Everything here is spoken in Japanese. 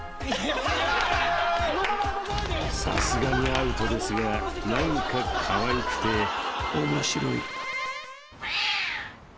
［さすがにアウトですが何かかわいくて面白い］